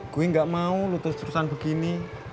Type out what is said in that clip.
gue gak mau lutus terusan begini